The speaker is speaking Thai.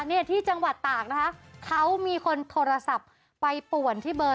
เนี่ยที่จังหวัดตากนะคะเขามีคนโทรศัพท์ไปป่วนที่เบอร์